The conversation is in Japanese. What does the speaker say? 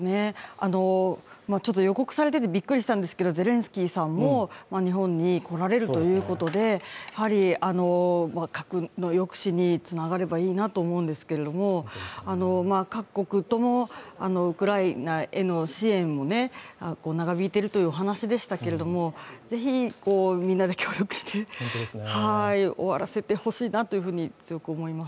ちょっと予告されててびっくりしたんですけどゼレンスキーさんも日本に来られるということで核の抑止につながるといいなと思うんですけれども、各国ともウクライナへの支援も長引いているというお話でしたけれどもぜひみんなで協力して終わらせてほしいなと強く思います。